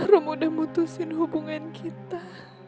rum udah mutusin hubungan kita